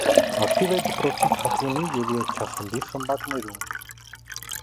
Ակտիվ էր դպրոցի թատրոնի և երգչախմբի խմբակներում։